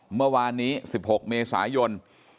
เมื่อวานนี้๑๖เมษายน